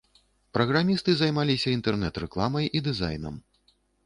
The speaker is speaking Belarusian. Праграмісты займаліся інтэрнэт-рэкламай і дызайнам.